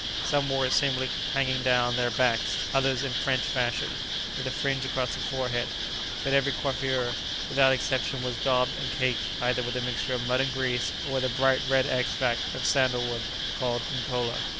Some wore it simply hanging down their backs, others in French fashion, with a fringe across the forehead; but every coiffure, without exception, was daubed and caked either with the mixture of mud and grease, or with a bright red extract of sandal wood called nkola.